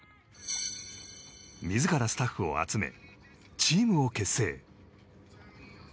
自らスタッフを集めチームを結成。